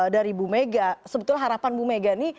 dari bu mega sebetulnya harapan bu mega ini